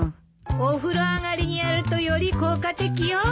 お風呂上がりにやるとより効果的よ。